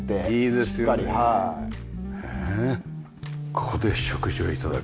ここで食事を頂く。